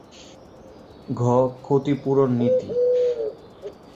ঘ. ক্ষতিপূরণ নীতি